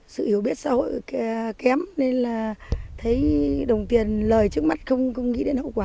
sự hiểu biết xã hội kém nên là thấy đồng tiền lời trước mắt không nghĩ đến hậu quả